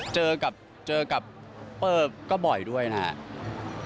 เจอกับเจอกับเปอร์ก็บ่อยด้วยนะครับ